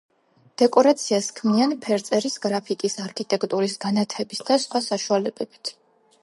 დეკორაციას ქმნიან ფერწერის, გრაფიკის, არქიტექტურის, განათების და სხვა საშუალებებით.